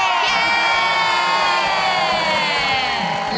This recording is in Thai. เย้